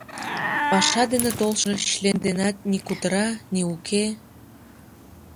Паша дене толшо член денат ни кутыра, ни уке.